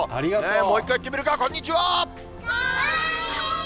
もう１回、いってみるか、こんにちは。